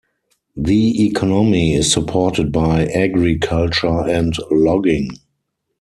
The economy is supported by agriculture and logging.